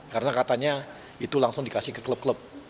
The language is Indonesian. karena katanya itu langsung dikasih ke klub klub